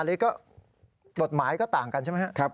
หรือก็บทหมายก็ต่างกันใช่ไหมครับ